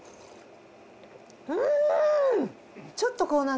うん！